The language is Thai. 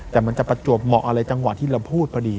แต่มันจะประจวบเหมาะอะไรจังหวะที่เราพูดพอดี